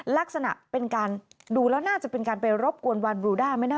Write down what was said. ลักษณะเป็นการดูแล้วน่าจะเป็นการไปรบกวนวานบรูด้าไหมนะ